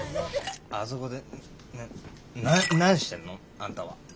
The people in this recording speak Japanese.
あそこでなん何してんの？あんたは。